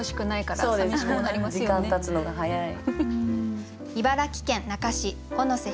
時間たつのが早い。